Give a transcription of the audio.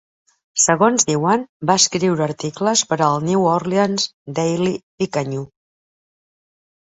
Segons diuen va escriure articles per al "New Orleans Daily Picayune".